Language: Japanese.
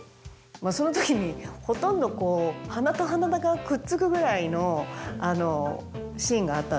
そのときにほとんどこう鼻と鼻がくっつくぐらいのシーンがあったんですよ。